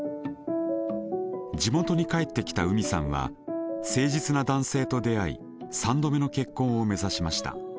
地元に帰ってきた海さんは誠実な男性と出会い３度目の結婚を目指しました。